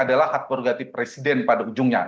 adalah hak berganti presiden pada ujungnya